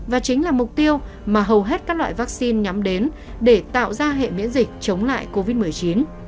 và chính là mục tiêu mà hầu hết các loại vaccine nhắm đến để tạo ra hệ miễn dịch chống lại covid một mươi chín